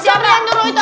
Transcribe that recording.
siapa yang nyuruh itu